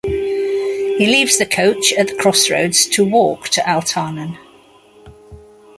He leaves the coach at the crossroads to walk to Altarnun.